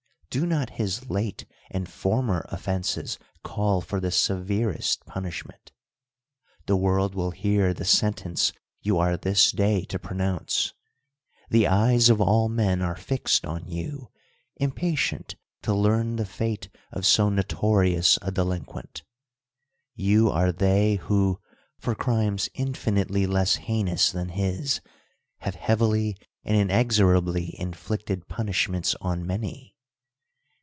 Do not his late and former offenses call for the severest punishment ? The world will hear the sentence you are this day to pronounce. The eyes of all men are fixed on you, impatient to learn the fate of so notorious a delinquent. You are they who, for crimes in finitely less heinous than his, have heavily and inexorably inflicted punishments on many.